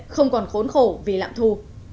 không còn khốn khổ vì lạm thu